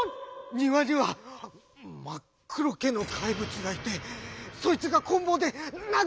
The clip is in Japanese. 「庭には真っ黒けの怪物がいてそいつがこん棒で殴ってきました」。